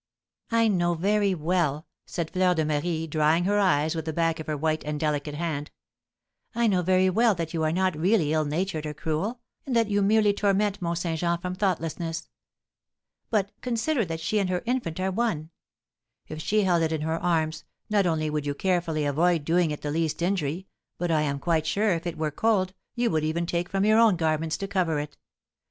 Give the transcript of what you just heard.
"I know very well," said Fleur de Marie, drying her eyes with the back of her white and delicate hand, "I know very well that you are not really ill natured or cruel, and that you merely torment Mont Saint Jean from thoughtlessness. But consider that she and her infant are one. If she held it in her arms, not only would you carefully avoid doing it the least injury, but I am quite sure, if it were cold, you would even take from your own garments to cover it.